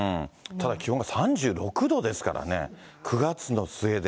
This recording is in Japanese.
ただ気温が３６度ですからね、９月の末で。